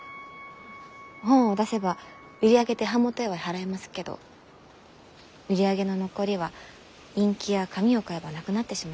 本を出せば売り上げで版元へは払えますけど売り上げの残りはインキや紙を買えばなくなってしまいます。